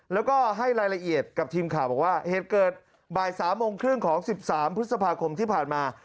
แล้วก็ให้รายละเอียดกับทีมข่าวบอกว่าเหตุเกิดบ่าย๓โมงครึ่งของ๑๓พฤษภาคมที่ผ่านมา